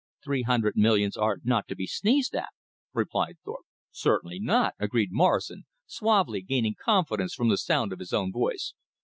"Three hundred millions are not to be sneezed at," replied Thorpe. "Certainly not," agreed Morrison, suavely, gaining confidence from the sound of his own voice.